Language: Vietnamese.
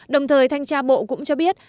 đồng thời thanh tra bộ cũng cho biết